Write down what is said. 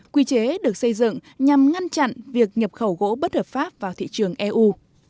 quy chế được xây dựng nhằm ngăn chặn việc nhập khẩu gỗ bất hợp pháp vào thị trường eu